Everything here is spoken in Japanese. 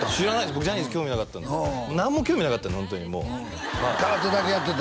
僕ジャニーズ興味なかったんで何も興味なかったんでホントにもう空手だけやってて？